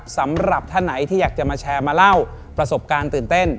สำหรับท่านไหนที่อยากจะมาแชร์มาเล่าประสบการณ์ตื่นเต้น